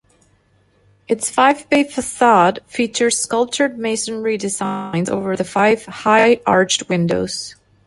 Its five-bay facade features sculptured masonry designs over the five high arched windows.